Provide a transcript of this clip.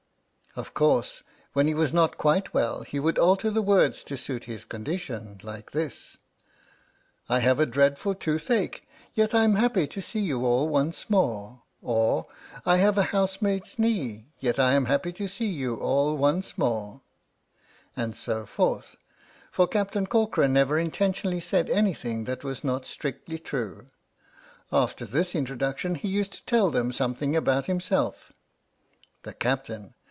Of course, when he was not quite well he would alter the words to suit his condition, like this: I have a dreadful toothache, yet I'm happy To see you all once more! Or, I have a housemaid's knee, yet I am happy To see you all once more ! 2 7 H.M.S. "PINAFORE" And so forth, for Captain Corcoran never inten tionally said anything that was not strictly true. After this introduction he used to tell them something about himself: The Captain.